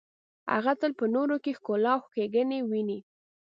هغه تل په نورو کې ښکلا او ښیګڼې ویني.